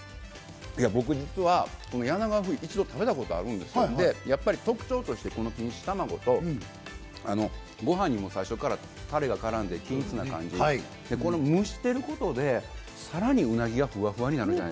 僕、実は柳川風を一度食べたことあるんですけど、特徴としてこの錦糸卵と、ご飯に最初からタレが絡んでいるので、この蒸していることで、さらにうなぎがふわふわになる。